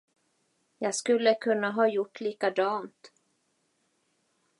Jag skulle kunna ha gjort likadant.